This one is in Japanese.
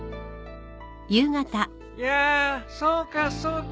やそうかそうか。